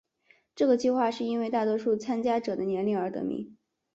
这个计画是因为大多数参加者的年龄而得名。